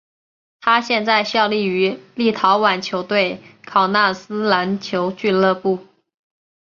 他现在效力于立陶宛球队考纳斯篮球俱乐部。